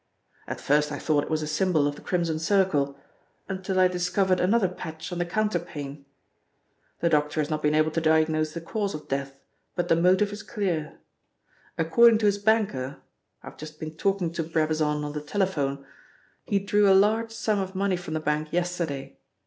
At first I thought it was a symbol of the Crimson Circle, until I discovered another patch on the counterpane. The doctor has not been able to diagnose the cause of death, but the motive is clear. According to his banker I've just been talking to Brabazon on the telephone he drew a large sum of money from the bank yesterday.